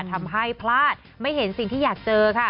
ทำให้พลาดไม่เห็นสิ่งที่อยากเจอค่ะ